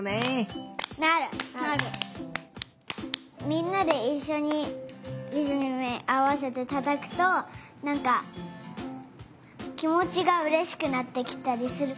みんなでいっしょにリズムにあわせてたたくとなんかきもちがうれしくなってきたりする。